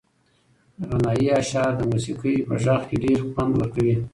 غنایي اشعار د موسیقۍ په غږ کې ډېر خوند ورکوي.